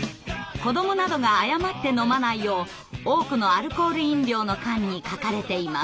子どもなどが誤って飲まないよう多くのアルコール飲料の缶に書かれています。